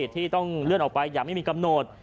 ที่ต้องเลื่อนออกไปอย่างไม่มีกำหนด